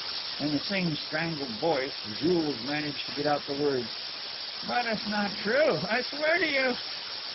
In the same strangled voice, Jules managed to get out the words: "But it's not true!... I swear to you